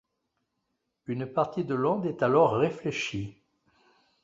Une partie de l'onde est alors réfléchie.